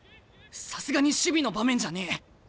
さすがに守備の場面じゃねえ。